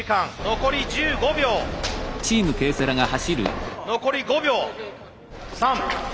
残り５秒３２１。